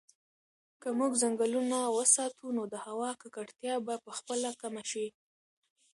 که موږ ځنګلونه وساتو نو د هوا ککړتیا به په خپله کمه شي.